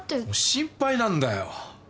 心配なんだよ！